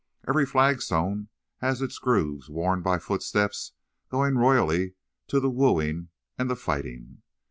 Every flagstone has its grooves worn by footsteps going royally to the wooing and the fighting.